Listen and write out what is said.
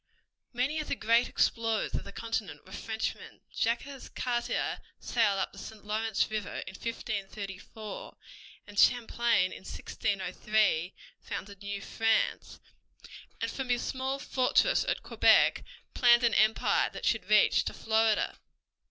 Many of the greatest explorers of the continent were Frenchmen. Jacques Cartier sailed up the St. Lawrence River in 1534, and Champlain in 1603 founded New France, and from his small fortress at Quebec planned an empire that should reach to Florida.